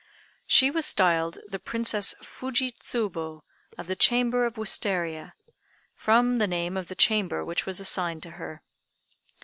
She was styled the Princess Fuji Tsubo (of the Chamber of Wistaria), from the name of the chamber which was assigned to her.